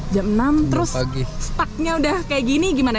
jam enam terus stucknya udah kayak gini gimana